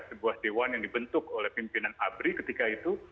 sebuah dewan yang dibentuk oleh pimpinan abri ketika itu